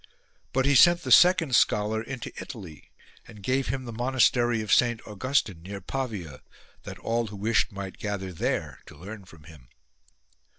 But he sent the second scholar into Italy and gave him the monastery of Saint Augustine near Pavia, that all who wished might gather there to learn from him.